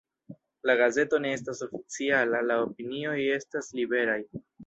La gazeto ne estas oficiala, la opinioj estas liberaj.